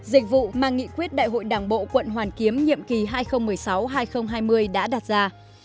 dịch vụ mà nghị quyết đại hội đảng bộ quận hoàn kiếm nhiệm kỳ hai nghìn một mươi sáu hai nghìn hai mươi đã đặt ra